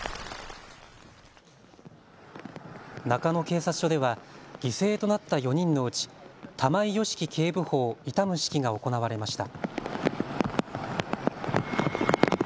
中野警察署では犠牲となった４人のうち玉井良樹警部補を悼む式が行われました。